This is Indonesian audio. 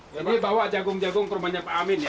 jadi bawa jagung jagung ke rumahnya pak amin ya